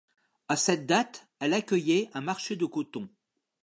À cette date, elle accueillait un marché de coton.